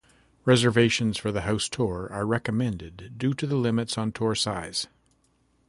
Reservations for the house tour are recommended due to limits on tour size.